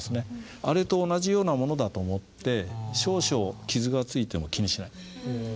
あれと同じようなものだと思って少々傷がついても気にしない。